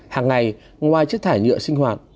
hàng ngày ngoài chất thải nhựa sinh hoạt